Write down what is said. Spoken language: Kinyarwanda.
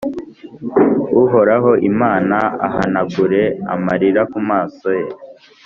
Uhoraho Imana, ahanagure amarira ku maso yose,